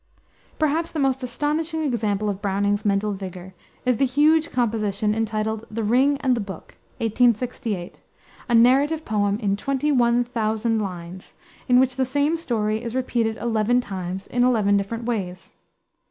Perhaps the most astonishing example of Browning's mental vigor is the huge composition, entitled The Ring and the Book, 1868, a narrative poem in twenty one thousand lines, in which the same story is repeated eleven times in eleven different ways.